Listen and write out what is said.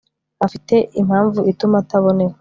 afite impamvu ituma ataboneka